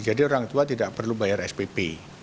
jadi orang tua tidak perlu bayar spp